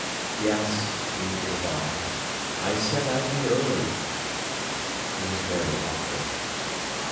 "Yes," he replied. "I said I'd be early." He was very awkward.